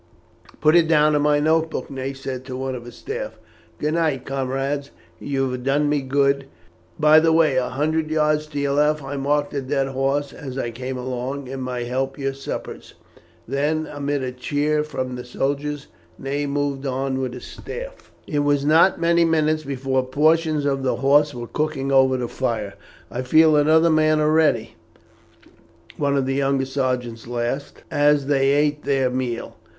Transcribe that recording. "Put it down in my note book," Ney said to one of his staff. "Good night, comrades, you have done me good. By the way, a hundred yards to your left I marked a dead horse as I came along; it may help your suppers." Then, amid a cheer from the soldiers, Ney moved on with his staff. It was not many minutes before portions of the horse were cooking over the fire. "I feel another man already," one of the younger sergeants laughed, as they ate their meal.